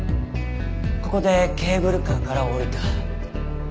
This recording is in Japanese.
ここでケーブルカーから降りた。